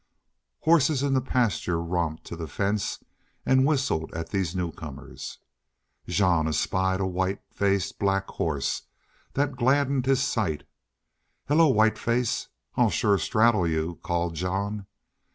Horses in the Pasture romped to the fence and whistled at these newcomers. Jean espied a white faced black horse that gladdened his sight. "Hello, Whiteface! I'll sure straddle you," called Jean.